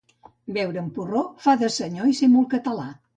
Beure amb porró fa de senyor i ser molt català